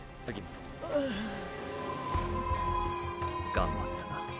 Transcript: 頑張ったな。